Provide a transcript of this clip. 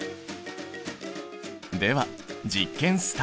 では実験スタート。